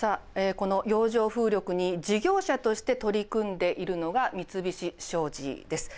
この洋上風力に事業者として取り組んでいるのが三菱商事です。